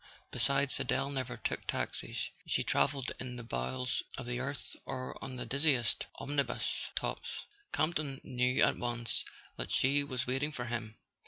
Besides, Adele never took taxis: she travelled in the bowels of the earth or on the dizziest omnibus tops. Campton knew at once that she was waiting for him.